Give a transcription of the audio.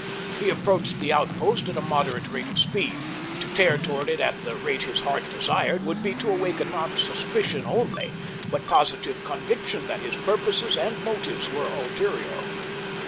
He approached the outpost at a moderate rate of speed—to tear toward it at the rate his heart desired would be to awaken not suspicion only but positive conviction that his purposes and motives were ulterior.